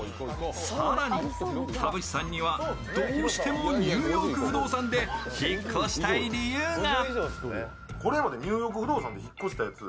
更に、田渕さんにはどうしても「ニューヨーク不動産」で引っ越したい理由が。